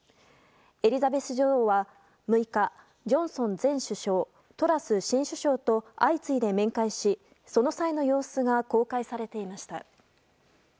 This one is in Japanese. エリザベス女王は６日ジョンソン前首相トラス新首相と相次いで面会しその際の様子が公開されていました。